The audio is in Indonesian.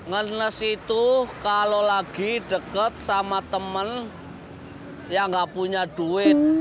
karena situ kalau lagi deket sama temen yang gak punya duit